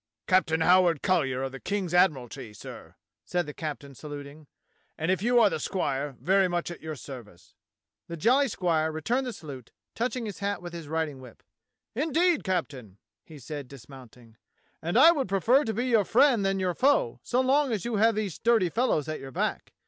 ^^" "Captain Howard CoUyer of the King's Admiralty, sir," said the captain, saluting, "and if you are the squire, very much at your service." The jolly squire returned the salute, touching his hat with his riding whip. "Indeed, Captain?" he said, dismounting. "And I would prefer to be your friend than your foe so long as you have these sturdy fellows at your back.